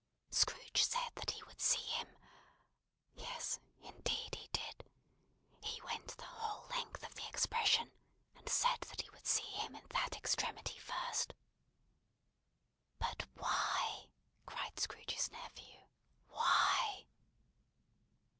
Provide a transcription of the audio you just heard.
Scrooge said that he would see him yes, indeed he did. He went the whole length of the expression, and said that he would see him in that extremity first. "But why?" cried Scrooge's nephew. "Why?"